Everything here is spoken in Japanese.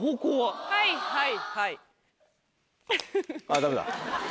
あダメだ。